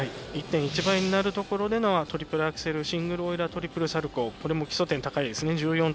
１．１倍になるところでのトリプルアクセルシングルオイラートリプルサルコー基礎点高いです。